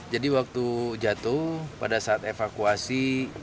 jadi waktu jatuh pada saat evakuasi